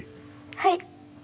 はい！